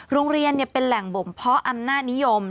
โรงเรียนเป็นแหล่งบ่มเพาะอำนาจนิยม